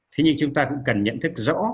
thế nhưng chúng ta cũng cần nhận thức rõ